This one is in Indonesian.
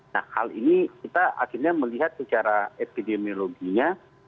nah hal ini kita akhirnya melihat secara epidemiologinya